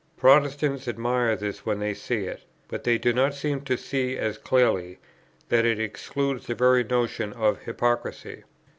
Protestants admire this, when they see it; but they do not seem to see as clearly, that it excludes the very notion of hypocrisy.